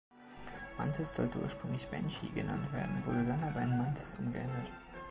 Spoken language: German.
Mantis sollte ursprünglich "Banshee" genannt werden, wurde dann aber in Mantis umgeändert.